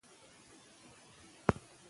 هغه کلی چې برېښنا لري وده کوي.